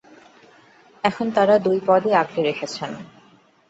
এখন তাঁরা দুই পদই আগলে রেখেছেন এবং পৌরসভায় দাপ্তরিক কাজ করছেন।